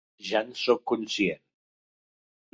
Ja en sóc conscient.